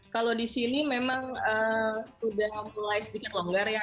kalau di sini memang sudah mulai sedikit longgar ya